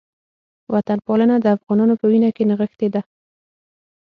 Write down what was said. وطنپالنه د افغانانو په وینه کې نغښتې ده